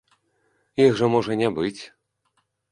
Іх жа можа не быць.